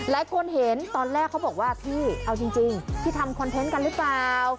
หลายคนเห็นตอนแรกเขาบอกว่าพี่เอาจริงพี่ทำคอนเทนต์กันหรือเปล่า